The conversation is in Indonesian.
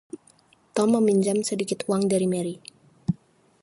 Tom meminjam sedikit uang dari Mary.